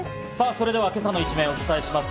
それでは今朝の一面をお伝えします。